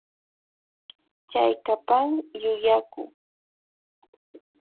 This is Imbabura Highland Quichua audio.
Chaykapan yuyaku